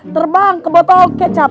terbang ke botol kecap